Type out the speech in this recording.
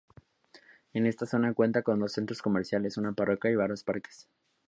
Esta zona cuenta con dos centros comerciales, una parroquia y varios parques.